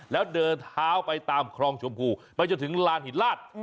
แล้วเดินเท้าไปตามคลองชมพูไปจนถึงลานหินลาด